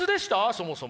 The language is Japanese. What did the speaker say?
そもそも。